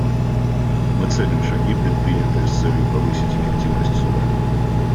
Мы ценим шаги, предпринятые с целью повысить эффективность Суда.